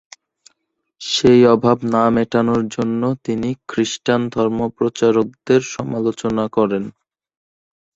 সেই অভাব না মেটানোর জন্য তিনি খ্রিস্টান ধর্মপ্রচারকদের সমালোচনা করেন।